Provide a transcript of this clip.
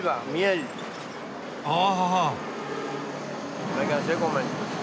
ああ。